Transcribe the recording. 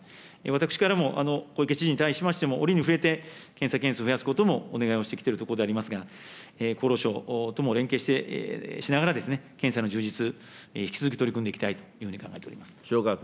私からも小池知事に対しましても、折に触れて、検査件数を増やすことをお願いをしてきているところでありますが、厚労省とも連携して、しながら、検査の充実、引き続き取り組んでいきたいというふうに考えております。